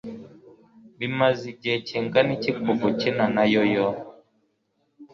Bimaze igihe kingana iki kuva ukina na yo-yo?